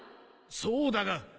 そうだが。